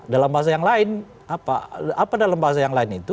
dalam bahasa yang lain apa dalam bahasa yang lain itu